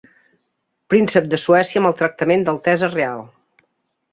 Príncep de Suècia amb el tractament d'altesa reial.